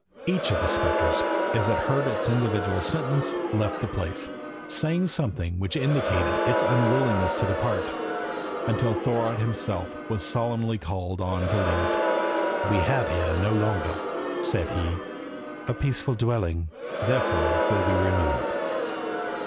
Each of the spectres, as it heard its individual sentence, left the place, saying something which indicated its unwillingness to depart, until Thorodd himself was solemnly called on to leave. "We have here no longer," said he, "a peaceful dwelling, therefore will we remove."